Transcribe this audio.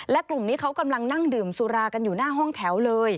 และกลุ่มนี้เขากำลังนั่งดื่มสุรากันอยู่หน้าห้องแถวเลย